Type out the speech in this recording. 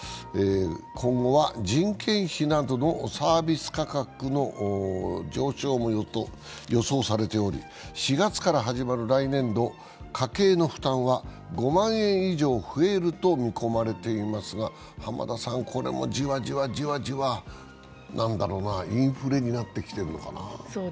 今後は、人件費などのサービス価格の上昇も予想されており、４月から始まる来年度、家計の負担は５万円以上増えると見込まれていますが、浜田さん、これもジワジワジワジワインフレになってきてるのかな？